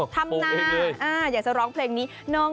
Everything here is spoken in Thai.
จะอยากจะร้องเพลงนี้